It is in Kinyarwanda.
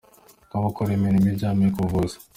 rw’abakora imirimo ishamikiye ku buvuzi.